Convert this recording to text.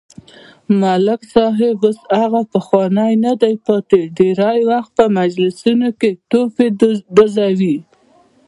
ملک صاحب اوس هغه پخوانی ندی پاتې، ډېری وخت په مجلسونو کې توپې ډزوي.